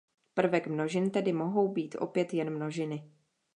Prvek množin tedy mohou být opět jen množiny.